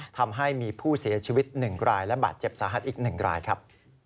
ทำให้มีผู้เสียชีวิต๑รายและบาดเจ็บสาหัสอีก๑รายครับ